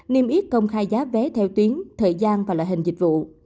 niêm yết công khai giá vé theo tuyến thời gian và loại hình dịch vụ